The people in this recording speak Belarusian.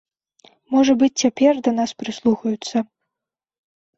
Можа быць, цяпер да нас прыслухаюцца.